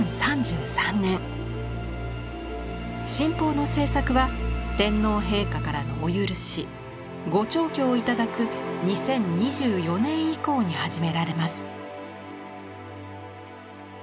神宝の制作は天皇陛下からのお許し御聴許をいただく２０２４年以降に始められます。